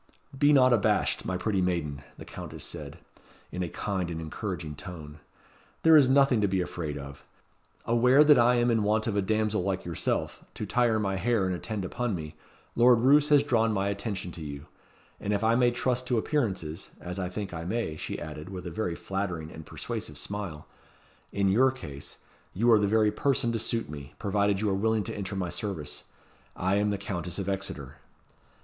"Be not abashed, my pretty maiden," the Countess said, in a kind and encouraging tone; "there is nothing to be afraid of. Aware that I am in want of a damsel like yourself, to tire my hair and attend upon me, Lord Roos has drawn my attention to you; and if I may trust to appearances as I think I may," she added, with a very flattering and persuasive smile, "in your case you are the very person to suit me, provided you are willing to enter my service. I am the Countess of Exeter."